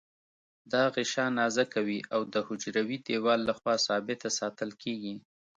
دا غشا نازکه وي او د حجروي دیوال له خوا ثابته ساتل کیږي.